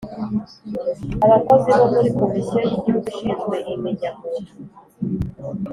Abakozi bo muri Komisiyo y Igihugu ishinzwe imenya muntu